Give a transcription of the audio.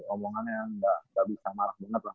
omongannya nggak bisa marah banget lah